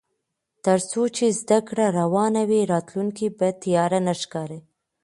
تر څو چې زده کړه روانه وي، راتلونکی به تیاره نه ښکاري.